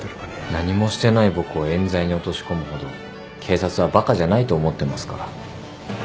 何もしてない僕を冤罪に落とし込むほど警察はバカじゃないと思ってますから。